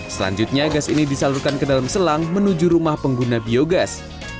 selanjutnya gas ini disalurkan ke dalam selang menuju rumah pengguna biogas